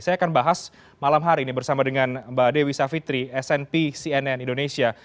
saya akan bahas malam hari ini bersama dengan mbak dewi savitri snp cnn indonesia